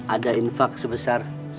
ada infak sebesar